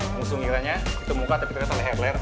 musuh ngiranya itu muka tapi terasa leher leher